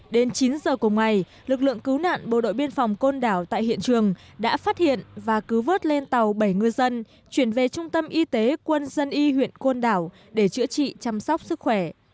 đến chín giờ cùng ngày lực lượng cứu nạn bộ đội biên phòng côn đảo tại hiện trường đã phát hiện và cứu vớt lên tàu bảy ngư dân chuyển về trung tâm y tế quân dân y huyện côn đảo để chữa trị chăm sóc sức khỏe